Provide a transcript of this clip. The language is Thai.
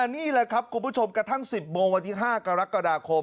นี่แหละครับคุณผู้ชมกระทั่ง๑๐โมงวันที่๕กรกฎาคม